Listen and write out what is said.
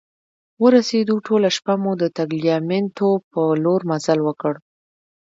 ورسیدو، ټوله شپه مو د ټګلیامنتو په لور مزل وکړ.